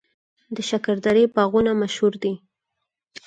د شکردرې باغونه مشهور دي